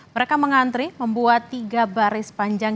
mereka mengantri membuat tiga baris panjang